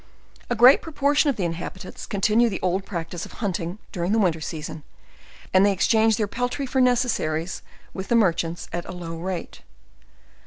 A great proportion of the inhabitants continue the old practice of hunting, during the winter season; and they exchange their peltry for necessaries, with the merchnats at a low rate.